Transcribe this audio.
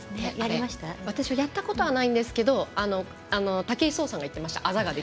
私はやったことはないんですけど武井壮さんが言ってました。